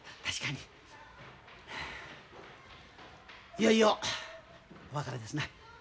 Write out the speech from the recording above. いよいよお別れですな。